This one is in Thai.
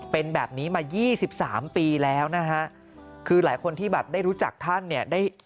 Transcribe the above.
เป็นแบบนี้มา๒๓ปีแล้วนะฮะคือหลายคนที่แบบได้รู้จักท่านเนี่ย